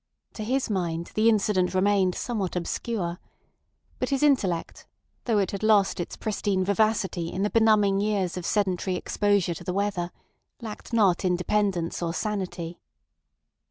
To his mind the incident remained somewhat obscure. But his intellect, though it had lost its pristine vivacity in the benumbing years of sedentary exposure to the weather, lacked not independence or sanity.